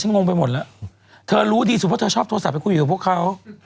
งงไปหมดแล้วเธอรู้ดีสุดเพราะเธอชอบโทรศัพท์ไปคุยกับพวกเขา